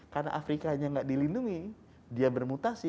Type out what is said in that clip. karena afrika enggak dilindungi dia bermutasi